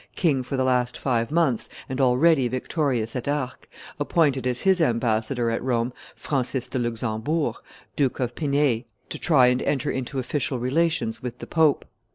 king for the last five months and already victorious at Arques, appointed as his ambassador at Rome Francis de Luxembourg, Duke of Pinei, to try and enter into official relations with the pope.